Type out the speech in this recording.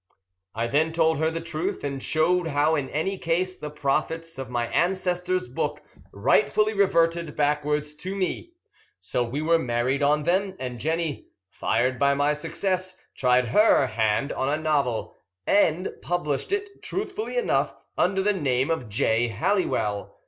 I then told her the truth, and showed how in any case the profits of my ancestor's book rightfully reverted backwards to me. So we were married on them, and Jenny, fired by my success, tried her hand on a novel, and published it, truthfully enough, under the name of J. Halliwell.